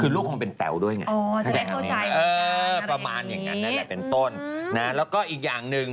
อืมเออประมาณอย่างงั้นนั่นแหละและเป็นต้นและก็อีกอย่างนึง